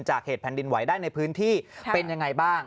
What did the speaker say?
เหตุแผ่นดินไหวได้ในพื้นที่เป็นยังไงบ้าง